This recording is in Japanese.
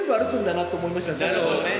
なるほどね。